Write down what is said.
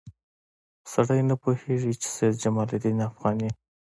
سړی نه پوهېږي چې سید جمال الدین افغاني.